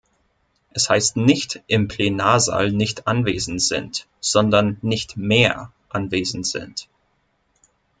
Es heißt nicht "im Plenarsaal nicht anwesend sind", sondern "nicht mehr" anwesend sind.